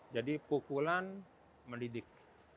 jadi pukulan mendidik